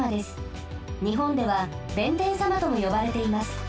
にほんでは弁天様ともよばれています。